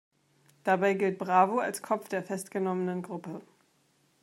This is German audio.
Dabei gilt Bravo als Kopf der festgenommenen Gruppe.